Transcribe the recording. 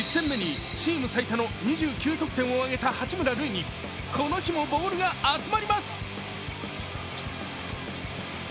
１戦目、チーム最多の２９得点を挙げた八村塁にこの日もボールが集まります。